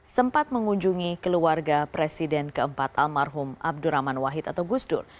sempat mengunjungi keluarga presiden keempat almarhum abdurrahman wahid atau gusdur